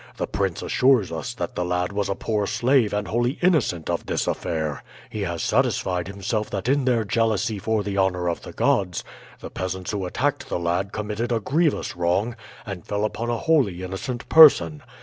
The prince assures us that the lad was a poor slave and wholly innocent of this affair. He has satisfied himself that in their jealousy for the honor of the gods the peasants who attacked the lad committed a grievous wrong and fell upon a wholly innocent person.